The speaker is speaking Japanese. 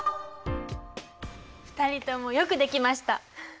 ２人ともよくできました。